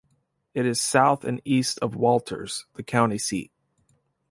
It is south and east of Walters, the county seat.